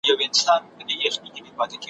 چي پرون مي وه لیدلې آشیانه هغسي نه ده `